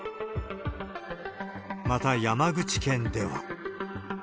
また、山口県では。